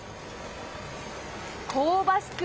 香ばしく